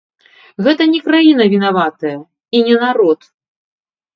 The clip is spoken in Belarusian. Гэта не краіна вінаватая, і не народ.